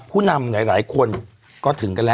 ผู้นำหลายคนก็ถึงกันแล้ว